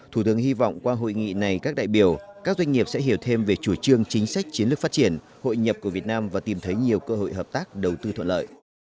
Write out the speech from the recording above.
thủ tướng hy vọng qua hội nghị này các đại biểu các doanh nghiệp sẽ hiểu thêm về chủ trương chính sách chiến lược phát triển hội nhập của việt nam và tìm thấy nhiều cơ hội hợp tác đầu tư thuận lợi